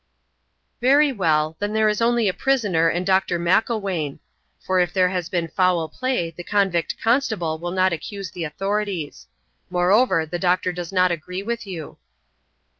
"Very well; then there is only a prisoner and Dr. Macklewain; for if there has been foul play the convict constable will not accuse the authorities. Moreover, the doctor does not agree with you."